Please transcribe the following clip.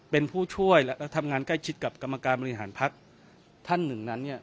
เป็นผู้ช่วยและทำงานใกล้ชิดกับกรรมการบริหารพักท่านหนึ่งนั้นเนี่ย